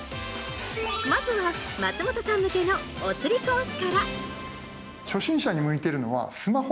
まずは松本さん向けの「おつりコース」からえ？